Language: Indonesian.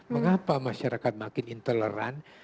mengapa masyarakat makin intoleran